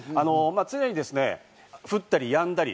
常に降ったりやんだり。